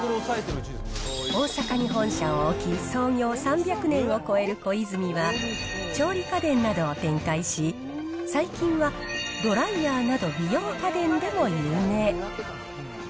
大阪に本社を置き、創業３００年を超えるコイズミは、調理家電などを展開し、最近はドライヤーなど美容家電でも有名。